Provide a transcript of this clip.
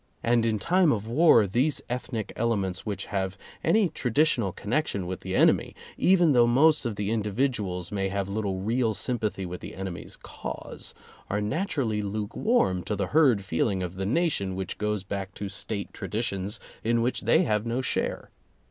And in time of war, these ethnic elements which have any traditional connection with the enemy, even though most of the individuals may have little real sympathy with the enemy's cause, are naturally lukewarm to the herd feeling of the nation which goes back to State traditions in which they have no share.